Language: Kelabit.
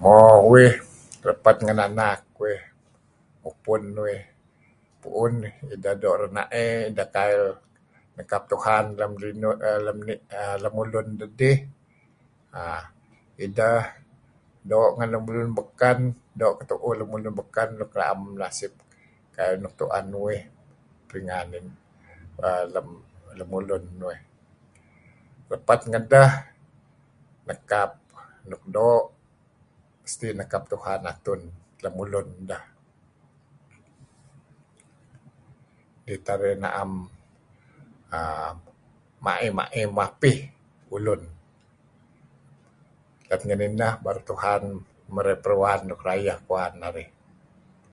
Mo uih, repet ngen anak uih , mupun uih, pu'un ideh doo' rena'ey, doo' kail nekap Tuhan lem linuh err lem ulun dedih err ideh doo' ngen lemulun beken, doo' ketu'uh lemulun beken nuk na'em nasip nuk tu'en uih kingan err lem ulun uih. Repet ngedah nekap luk doo' , mesti nekap Tuhan atun lem ulun deh kidih teh arih na'em err ma'ih-ma'ih mapih ulun let ngan ineh baru Tuhan merey peru'an nuk rayeh kuwan narih.